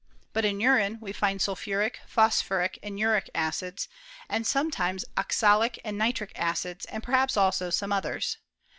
But in urine we find sulphuric phosphoric, and uric acids, and sometimes oxali and nitric acids, and perhaps also some others.